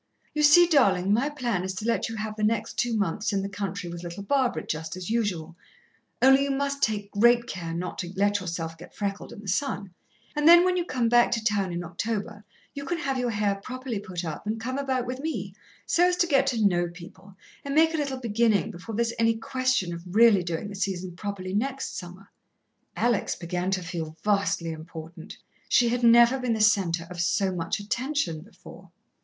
"You see, darling, my plan is to let you have the next two months in the country with little Barbara, just as usual only you must take great care not to let yourself get freckled in the sun and then, when you come back to town in October, you can have your hair properly put up, and come about with me, so as to get to know people and make a little beginnin' before there's any question of really doing the season properly next summer." Alex began to feel vastly important. She had never been the centre of so much attention before.